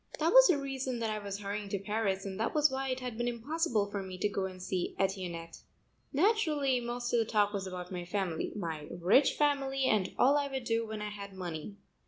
That was the reason that I was hurrying to Paris and that was why it had been impossible for me to go and see Etiennette. Naturally most of the talk was about my family, my rich family and all I would do when I had money.